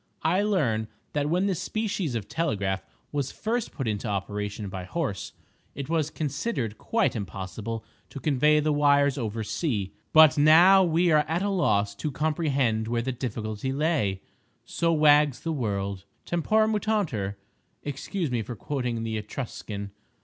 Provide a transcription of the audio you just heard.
I learn that when this species of telegraph was first put into operation by Horse, it was considered quite impossible to convey the wires over sea, but now we are at a loss to comprehend where the difficulty lay! So wags the world. Tempora mutantur—excuse me for quoting the Etruscan.